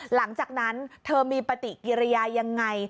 หลังจากนั้นเธอมีปฏิกิริยายังไง